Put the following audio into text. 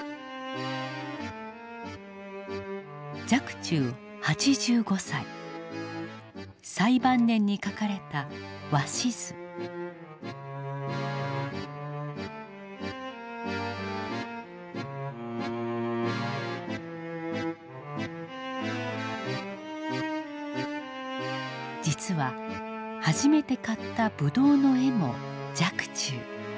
若冲８５歳最晩年に描かれた実は初めて買ったブドウの絵も若冲。